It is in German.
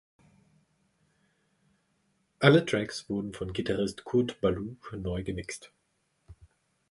Alle Tracks wurden von Gitarrist Kurt Ballou neu gemixt.